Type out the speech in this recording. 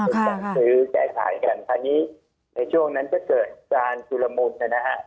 คือต้องซื้อแก่สารกันทีนี้ในช่วงนั้นจะเกิดการจุลมุนนะครับ